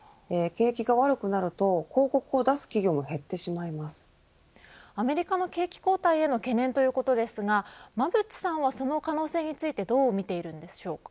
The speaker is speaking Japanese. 景気が悪くなると広告を出すアメリカの景気後退への懸念ということですが馬渕さんはその可能性についてどう見ているんでしょうか。